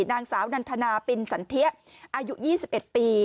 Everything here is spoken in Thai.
นางสาวนันทนาปินสันเทียอายุ๒๑ปี